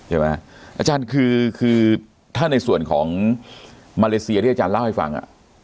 อาจารย์คือถ้าในส่วนของมาเลเซียที่อาจารย์เล่าให้ฟัง